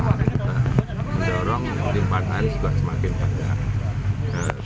menyorong timpanan juga semakin banyak